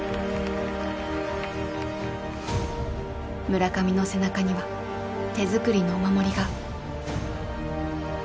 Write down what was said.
村上の背中には手作りのお守りが。